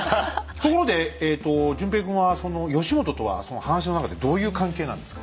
ところでえと淳平君は義元とはその話の中でどういう関係なんですか？